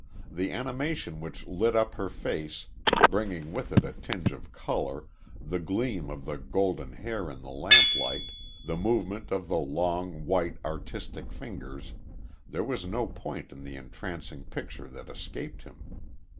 The animation which lit up her face, bringing with it a tinge of colour, the gleam of the golden hair in the lamplight, the movement of the long, white, artistic fingers there was no point in the entrancing picture that escaped him.